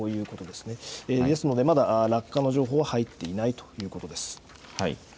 ですので、まだ落下の情報は入っていないということです。